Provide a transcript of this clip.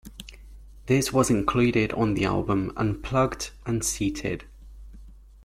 This was included on the album "Unplugged...and Seated".